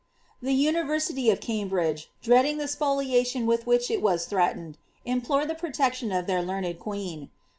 The university of Cambridge, dreading the spolia tion with which it was threatened, implored the protection of their teamed queen.'